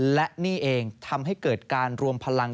และนี่เองทำให้เกิดการรวมพลัง